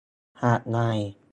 หากนาย